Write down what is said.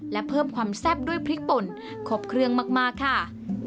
และเพิ่มความแซ่บด้วยพริกป่นครบเครื่องมากค่ะ